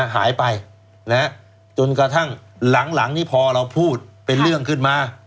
หายไปจนกระทั่งหลังนี้พอเราพูดเป็นเรื่องขึ้นมา